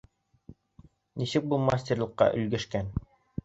Нисек был мастерлыҡҡа өлгәшкән?